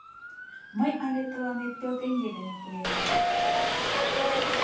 Мый але тыланет пел теҥге дене пуэм.